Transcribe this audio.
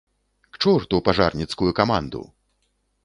К чорту пажарніцкую каманду!